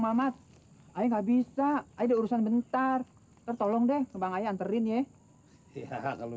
mahmat ayah nggak bisa ada urusan bentar tertolong deh kebangannya anterin ya kalau